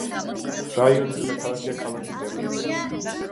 რაიონის დედაქალაქია ქალაქი ტეპლიცე.